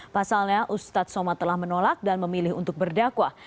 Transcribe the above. pasalnya ustadz somad telah menolak dan memilih untuk berdakwah